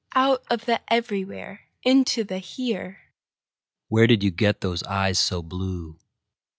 Out of the everywhere into the here. Where did you get those eyes so blue?